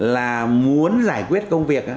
là muốn giải quyết công việc